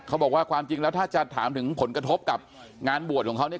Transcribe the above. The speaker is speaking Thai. เขาบอกว่าความจริงแล้วถ้าจะถามถึงผลกระทบกับงานบวชของเขาเนี่ย